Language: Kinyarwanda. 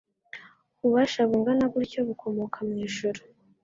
ububasha bungana butyo bukomoka mu ijuru.